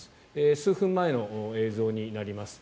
数分前の映像になります。